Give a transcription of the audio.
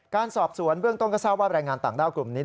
การสอบสวนเบื้องต้นก็ทราบว่าแรงงานต่างด้าวกลุ่มนี้